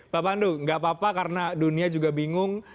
pak pandu nggak apa apa karena dunia juga bingung